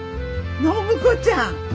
暢子ちゃん。